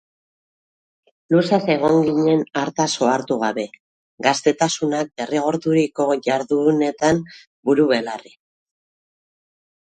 Luzaz egon ginen hartaz ohartu gabe, gaztetasunak derrigorturiko jardunetan buru-belarri.